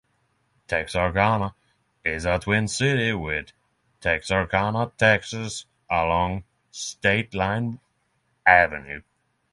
Texarkana is a twin city with Texarkana, Texas, along State Line Avenue.